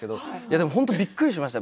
でも本当にびっくりしました。